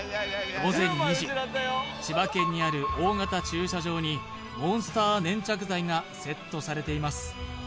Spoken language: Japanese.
千葉県にある大型駐車場にモンスター粘着剤がセットされています